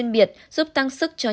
điều trị nội khoa